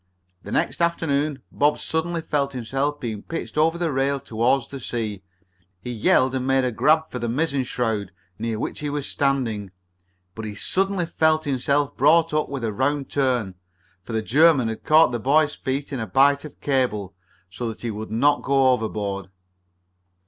The next afternoon Bob suddenly felt himself being pitched over the rail toward the sea. He yelled and made a grab for the mizzen shroud near which he was standing, but he suddenly found himself brought up with a round turn, for the German had caught the boy's feet in a bight of cable, so that he would not go overboard.